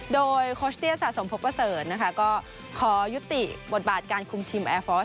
โดยโคชเตี้ยสะสมพบประเสริฐนะคะก็ขอยุติบทบาทการคุมทีมแอร์ฟอร์ส